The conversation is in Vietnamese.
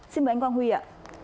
xin mời anh quang huy ạ